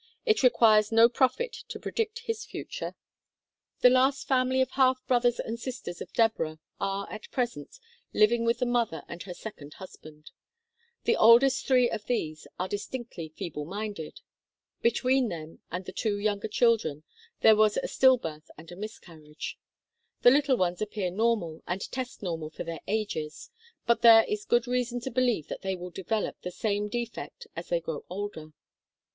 It requires no prophet to predict his future. 28 THE KALLIKAK FAMILY The last family of half brothers and sisters of Deborah are, at present, living with the mother and her second husband. The oldest three of these are distinctly feeble minded. Between them and the two younger children there was a stillbirth and a miscarriage. The little ones appear normal and test normal for their ages, but there is good reason to believe that they will develop the same defect as they grow older.